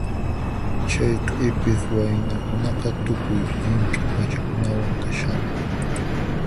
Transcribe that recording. Chay q'ipiq waynakunaqa tukuy llimp'i p'achakunawan kashanku.